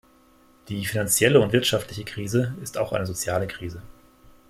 Die finanzielle und wirtschaftliche Krise ist auch eine soziale Krise.